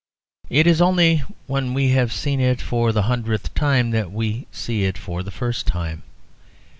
It is only when we have seen it for the hundredth time that we see it for the first time.